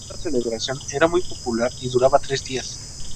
Esta celebración era muy popular y duraba tres días.